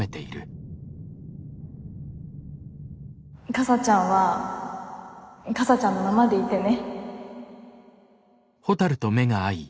かさちゃんはかさちゃんのままでいてね。